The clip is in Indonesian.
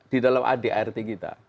di dalam adrt kita